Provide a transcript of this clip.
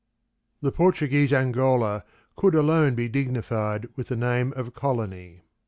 The Portuguese Angola could alone be dignified with the name of colony.